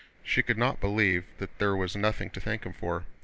She could not believe that there was nothing to thank him for.